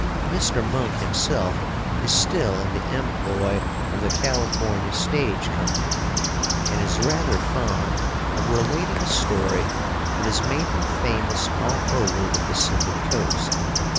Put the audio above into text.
Mr. Monk himself is still in the employ of the California Stage Company, and is rather fond of relating a story that has made him famous all over the Pacific coast.